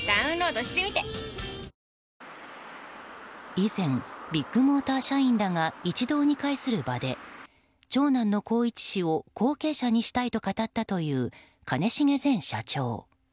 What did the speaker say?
以前、ビッグモーター社員らが一堂に会する場で長男の宏一氏を後継者にしたいと語ったという兼重前社長。